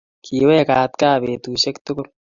Kiwekat gaa betusiek tugul.